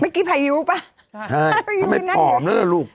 เมื่อกี้พายุป่ะพายุขนาดนั้นเลยครับใช่ทำไมผอมนั่นล่ะลูก